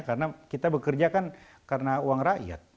karena kita bekerja kan karena uang rakyat